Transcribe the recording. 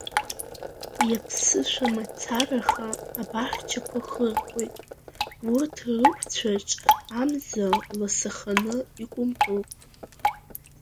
Иаԥсышәа мацараха абаҳчақәа хырхәоит, урҭ рықәцәаҿ амза ласаханы икәымпылт.